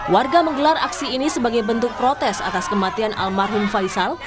warga menggelar aksi ini sebagai bentuk protes atas kematian almarhum faisal